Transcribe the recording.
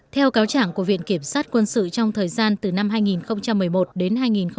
theo cáo trảng của viện kiểm sát quân sự trong thời gian từ năm hai nghìn một mươi một đến hai nghìn một mươi bảy